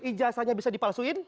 ijazahnya bisa dipalsuin